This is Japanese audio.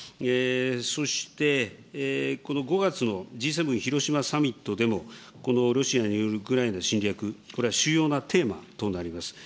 そしてこの５月のＧ７広島サミットでも、このロシアによるウクライナ侵略、これは主要なテーマとなります。